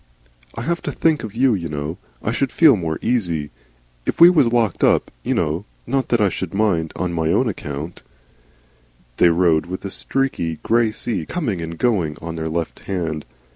I have to think of you, you know. I should feel more easy. If we was locked up, you know Not that I should mind on my own account " They rode with a streaky, grey sea coming and going on their left hand.